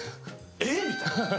えっみたいな。